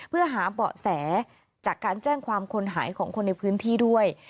เพื่อหาเบาะแสจากการแจ้งความคนหายของคนในพื้นที่ด้วย